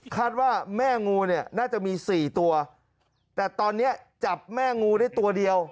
ว่าแม่งูเนี่ยน่าจะมี๔ตัวแต่ตอนนี้จับแม่งูได้ตัวเดียว